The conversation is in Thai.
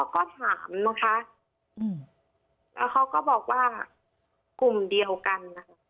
ก็ถามนะคะแล้วเขาก็บอกว่ากลุ่มเดียวกันนะคะ